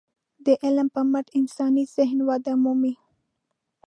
د علم په مټ انساني ذهن وده مومي.